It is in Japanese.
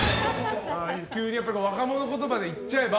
急に若者言葉で言っちゃえば？